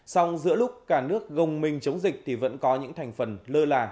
song giữa lúc cả nước gồng mình chống dịch thì vẫn có những thành phần lơ là